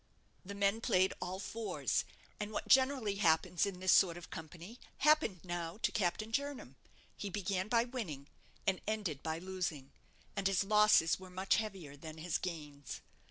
The men played all fours; and what generally happens in this sort of company happened now to Captain Jernam. He began by winning, and ended by losing; and his losses were much heavier than his gains.